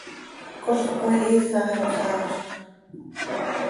Colx cömihiisax hac xaafzx.